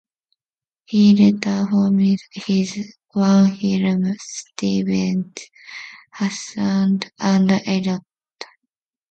He later formed his own firm Stevens, Hassard and Elliot.